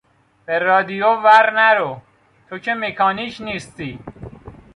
به رادیو ور نرو، تو که مکانیک نیستی!